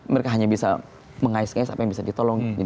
mereka hanya bisa mengaiskanya sampai bisa ditolong